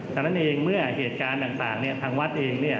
เท่านั้นเองเมื่อเหตุการณ์ต่างทางวัดเองเนี่ย